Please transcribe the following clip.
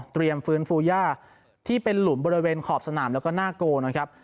ฟื้นฟูย่าที่เป็นหลุมบริเวณขอบสนามแล้วก็หน้าโกนะครับ